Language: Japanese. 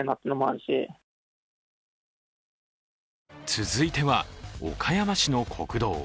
続いては、岡山市の国道。